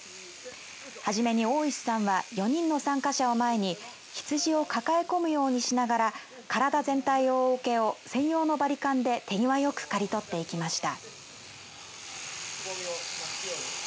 はじめに大石さんは４人の参加者を前に羊を抱え込むようにしながら体全体を覆う毛を専用のバリカンで手際よく刈り取っていきました。